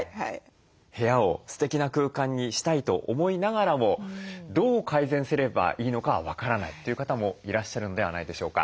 部屋をステキな空間にしたいと思いながらもどう改善すればいいのか分からないという方もいらっしゃるのではないでしょうか。